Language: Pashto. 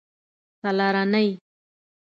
څلرنۍ